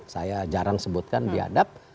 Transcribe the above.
saya jarang sebutkan diadap